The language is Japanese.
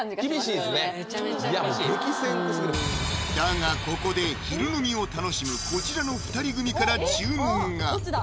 いや激戦区すぎるだがここで昼飲みを楽しむこちらの２人組から注文が！